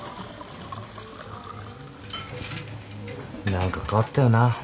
何か変わったよな。